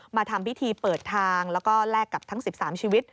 มาทำพิธีเปิดทางแล้วก็แลกกับทั้ง๑๓ชีวิต